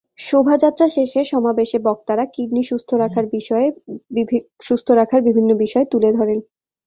শোভাযাত্রা শেষে সমাবেশে বক্তারা কিডনি সুস্থ রাখার বিভিন্ন বিষয় তুলে ধরেন।